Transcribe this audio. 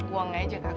uang aja kakak